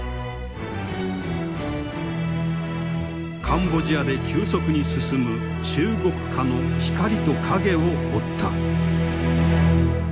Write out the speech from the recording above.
カンボジアで急速に進む中国化の光と影を追った。